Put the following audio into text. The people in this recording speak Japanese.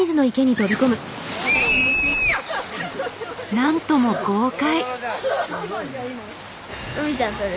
なんとも豪快。